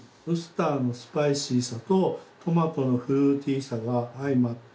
ウスターのスパイシーさとトマトのフルーティーさがあ